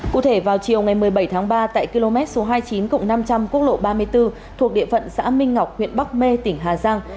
cụ thể vào chiều ngày một mươi bảy tháng ba tại km số hai mươi chín cộng năm trăm linh quốc lộ ba mươi bốn thuộc địa phận xã minh ngọc huyện bắc mê tỉnh hà giang